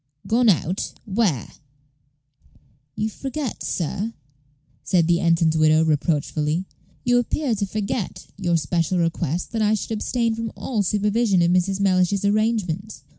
"Gone out! where?" "You forget, sir," said the ensign's widow, reproachfully "you appear to forget your special request that I should abstain from all supervision of Mrs. Mellish's arrangements.